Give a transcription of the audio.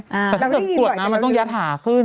แต่ถ้าเกิดกวดน้ำมันต้องยัดหาขึ้น